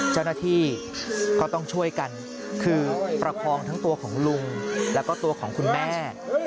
เจ้าหน้าที่ก็ต้องช่วยกันคือประคองทั้งตัวของลุงแล้วก็ตัวของคุณแม่